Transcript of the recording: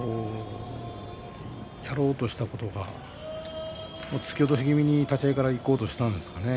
やろうとしたことが突き落とし気味に立ち合いからいこうとしたんですかね。